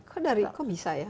kok bisa ya